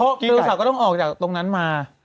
ไดโนเสาร์ก็ต้องออกจากตรงนั้นมา